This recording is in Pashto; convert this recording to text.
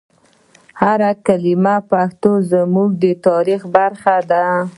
هر کلمه پښتو زموږ د تاریخ برخه ده.